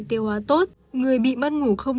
tiêu hóa tốt người bị mất ngủ không